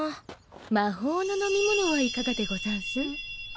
魔法の飲み物はいかがでござんす？